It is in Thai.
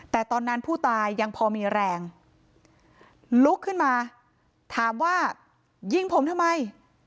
แต่ตอนนั้นผู้ตายยังพอมีแรงลุกขึ้นมาถามว่ายิงผมทำไม